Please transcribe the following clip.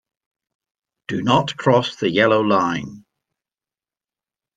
Do not cross the yellow line.